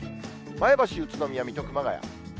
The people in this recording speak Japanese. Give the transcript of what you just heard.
前橋、宇都宮、水戸、熊谷。